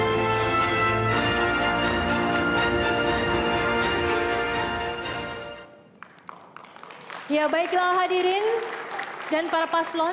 kami ingin member pixelsop file yang di constrained game pencafian keseluruhan